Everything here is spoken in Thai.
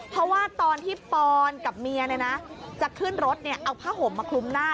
เพราะว่าตอนที่ปอนกับเมียจะขึ้นรถเอาผ้าห่มมาคลุมหน้า